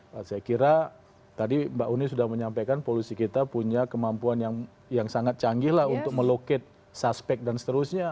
saya kira tadi mbak uni sudah menyampaikan polusi kita punya kemampuan yang sangat canggih lah untuk meloket suspek dan seterusnya